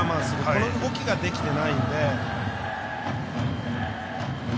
この動きができてないんで。